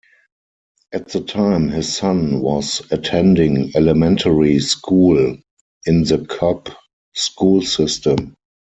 At the time his son was attending elementary school in the Cobb school system.